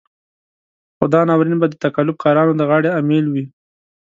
خو دا ناورين به د تقلب کارانو د غاړې امېل وي.